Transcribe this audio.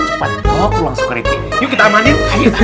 cepat langsung yuk kita amanin